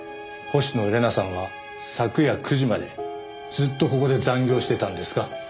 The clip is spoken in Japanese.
星野玲奈さんは昨夜９時までずっとここで残業してたんですか？